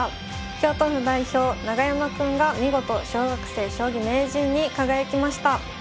京都府代表永山くんが見事小学生将棋名人に輝きました。